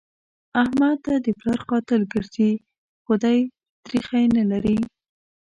احمد ته د پلار قاتل ګرځي؛ خو دی تريخی نه لري.